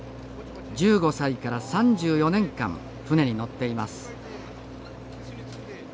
１５歳から３４年間船に乗っています